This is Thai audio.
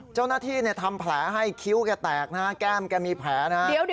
เจ้านาฏที่ทำแผลให้คิ้วแกล้งแตกนะคะแก้มแกล้งมีแผลนะครับ